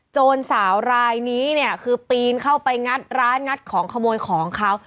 จนสาวรายนี้เนี่ยคือปีนเข้าไปงัดร้านงัดของขโมยของเขา